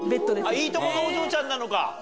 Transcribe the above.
いいとこのお嬢ちゃんなのか。